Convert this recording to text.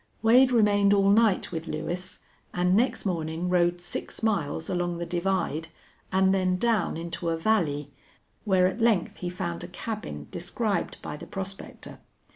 Wade remained all night with Lewis, and next morning rode six miles along the divide, and then down into a valley, where at length he found a cabin described by the prospector.